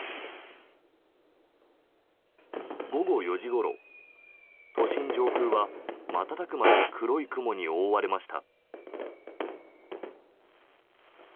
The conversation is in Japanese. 午後４時ごろ、都心上空は瞬く間に黒い雲に覆われました。